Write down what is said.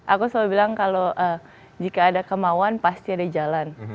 aku selalu bilang kalau jika ada kemauan pasti ada jalan